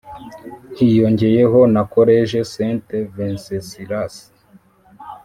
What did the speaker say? ).hiyongeyeho na collège st wenceslas